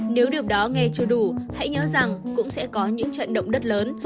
nếu điều đó nghe chưa đủ hãy nhớ rằng cũng sẽ có những trận động đất lớn